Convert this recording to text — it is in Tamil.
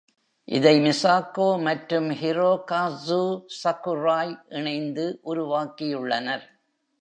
இதை Misako மற்றும் Hirokazu Sakurai இணைந்து உருவாக்கியுள்ளனர்.